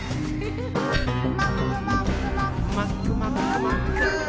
「もっくもっくもっくー」